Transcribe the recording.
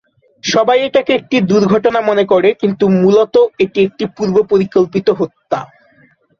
সবাই এটাকে একটি দুর্ঘটনা মনে করে, কিন্তু মূলত এটি একটি পূর্ব পরিকল্পিত হত্যা।